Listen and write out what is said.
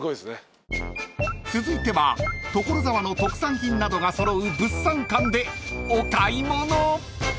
［続いては所沢の特産品などが揃う物産館でお買い物］